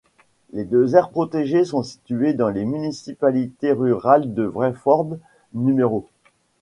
Les deux aires protégées sont situées dans les municipalités rurales de Wreford No.